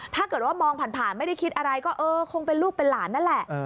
ถ้าเกิดว่ามองผ่านไม่ได้คิดอะไรก็เออคงเป็นลูกเป็นหลานนั่นแหละ